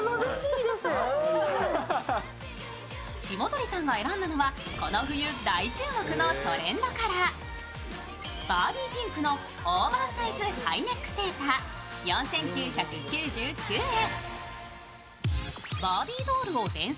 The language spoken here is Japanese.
霜鳥さんが選んだのはこの冬大注目のトレンドカラーバーピーピンクのオーバーサイズハイネックセーター４９９９円。